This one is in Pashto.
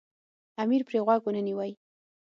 امیر پرې غوږ ونه نیوی.